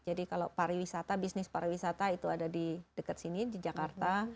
jadi kalau pariwisata bisnis pariwisata itu ada di dekat sini di jakarta